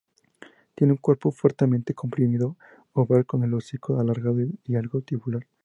Tiene un cuerpo fuertemente comprimido, oval con el hocico alargado y algo tubular.